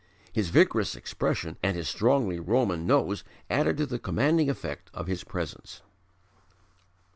His vigorous expression and his strongly Roman nose added to the commanding effect of his presence.